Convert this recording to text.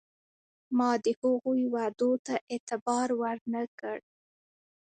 ما د هغوی وعدو ته اعتبار ور نه کړ.